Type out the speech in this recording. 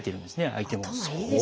相手も。